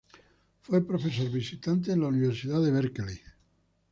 Fue profesor visitante en la Universidad de Berkeley.